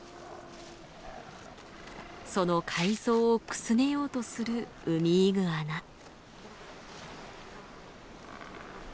その海藻をくすねようとするウミイグアナ。